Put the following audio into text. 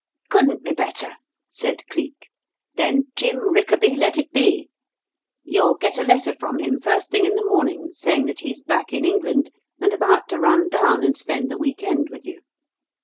"Couldn't be better," said Cleek. "Then 'Jim Rickaby' let it be. You'll get a letter from him first thing in the morning saying that he's back in England, and about to run down and spend the week end with you.